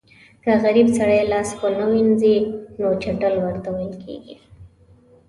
که غریب سړی لاس ونه وینځي نو چټل ورته ویل کېږي.